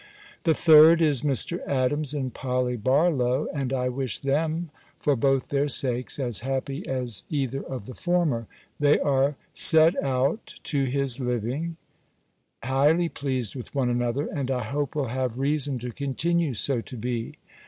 The third is Mr. Adams and Polly Barlow; and I wish them, for both their sakes, as happy as either of the former. They are set out to his living, highly pleased with one another; and I hope will have reason to continue so to be.